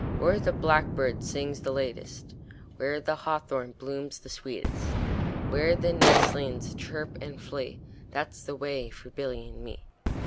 Where the blackbird sings the latest, Where the hawthorn blooms the sweetest, Where the nestlings chirp and flee, That's the way for Billy and me.